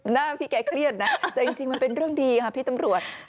หน้าพี่แกเครียดนะแต่จริงมันเป็นเรื่องดีค่ะพี่ตำรวจ